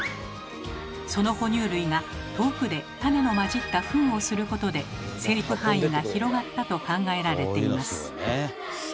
その哺乳類が遠くで種の混じったフンをすることで生育範囲が広がったと考えられています。